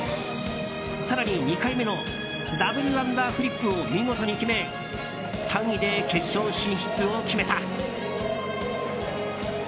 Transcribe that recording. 更に、２回目のダブルアンダーフリップを見事に決め３位で決勝進出を決めた。